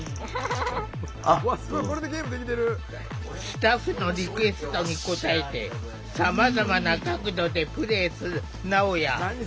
スタッフのリクエストに応えてさまざまな角度でプレイするなおや。